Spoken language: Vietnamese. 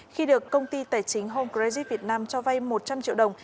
khi được công ty tài chính home credit việt nam cho vay một trăm linh triệu đồng